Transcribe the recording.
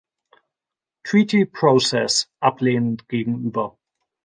Treaty Process" ablehnend gegenüber.